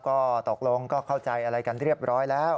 ก็ตกลงก็เข้าใจอะไรกันเรียบร้อยแล้ว